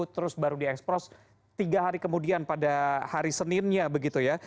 terus baru diekspros tiga hari kemudian pada hari seninnya